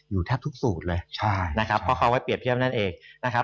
อยู่แทบทุกสูตรเลยเพราะเขาเอาไว้เปรียบเทียบนั่นเอง